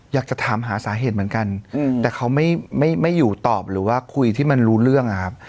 อยากจะถามหาสาเหตุเหมือนกันแต่เขาไม่อยู่ตอบหรือว่าคุยที่มันรู้เรื่องอะครับ